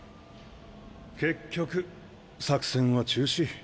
結局作戦は中止。